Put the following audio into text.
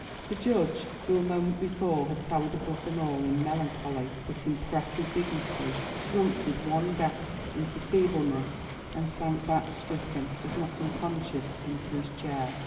The judge, who a moment before had towered above them all in melancholy but impressive dignity, shrunk with one gasp into feebleness and sank back stricken, if not unconscious, into his chair.